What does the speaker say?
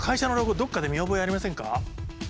どっかで見覚えありませんか？